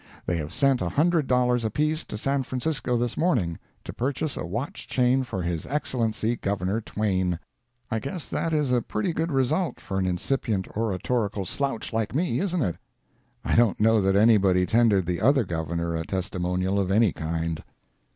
They have sent a hundred dollars apiece to San Francisco this morning, to purchase a watch chain for His Excellency Governor Twain. I guess that is a pretty good result for an incipient oratorical slouch like me, isn't it? I don't know that anybody tendered the other Governor a testimonial of any kind.